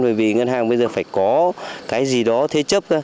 bởi vì ngân hàng bây giờ phải có cái gì đó thế chấp